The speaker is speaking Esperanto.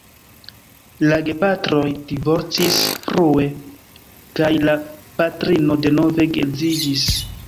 La gepatroj divorcis frue kaj la patrino denove geedziĝis.